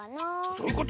そういうこと？